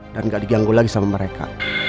dan gak diganggu lagi sama mereka